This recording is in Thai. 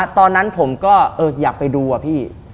ตอนนั้นผมก็อยากไปดูอะพี่